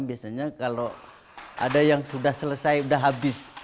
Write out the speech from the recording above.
biasanya kalau ada yang sudah selesai sudah habis